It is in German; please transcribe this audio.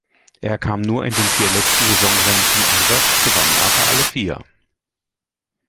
Er kam nur in den vier letzten Saisonrennen zum Einsatz, gewann aber alle vier.